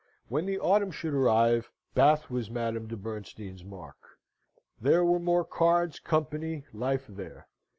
When the autumn should arrive, Bath was Madame de Bernstein's mark. There were more cards, company, life, there.